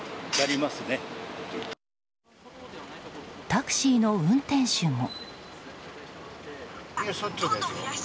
タクシーの運転手も。